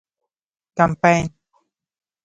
کمپاین